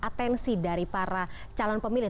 atensi dari para calon pemilih